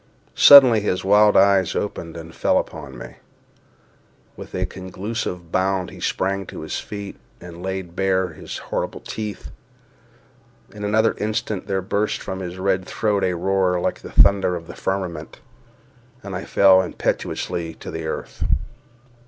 Suddenly his wild eyes opened and fell upon me. With a conclusive bound he sprang to his feet, and laid bare his horrible teeth. In another instant there burst from his red throat a roar like the thunder of the firmament, and I fell impetuously to the earth.